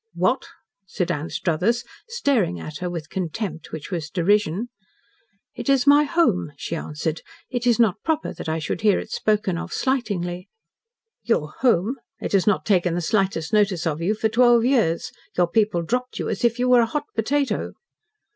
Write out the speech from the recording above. "What!" said Anstruthers, staring at her with contempt which was derision. "It is my home," she answered. "It is not proper that I should hear it spoken of slightingly." "Your home! It has not taken the slightest notice of you for twelve years. Your people dropped you as if you were a hot potato."